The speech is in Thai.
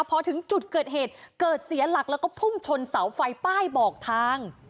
พอถึงจุดเกิดเหตุเกิดเสียหลักแล้วก็พุ่งชนเสาไฟป้ายบอกทาง